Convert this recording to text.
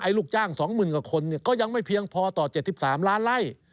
ลูกจ้าง๒๐๐๐กว่าคนก็ยังไม่เพียงพอต่อ๗๓ล้านไล่